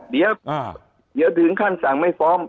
เดี๋ยวถึงขั้นสั่งไม่ฟ้อง